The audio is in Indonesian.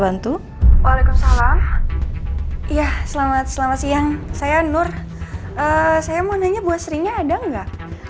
bantu waalaikumsalam ya selamat selamat siang saya nur saya mau nanya buat srinya ada enggak